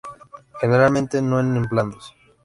Generalmente no en bandos.